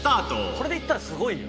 「これでいったらすごいよ」